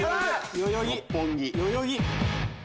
代々木！